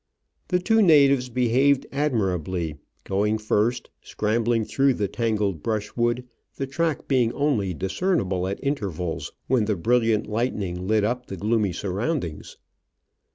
The two natives behaved admirably, going first, scrambling through the tangled brushwood, the track being only discernible at intervals when the brilliant lightning lit up the gloomy surroundings.